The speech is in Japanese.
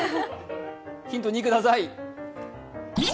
ヒント２ください。え？